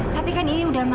tapi kan ini udah malam